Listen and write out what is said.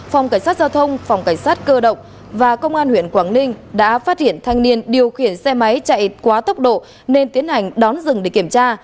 phòng cảnh sát giao thông phòng cảnh sát cơ động và công an huyện quảng ninh đã phát hiện thanh niên điều khiển xe máy chạy quá tốc độ nên tiến hành đón dừng để kiểm tra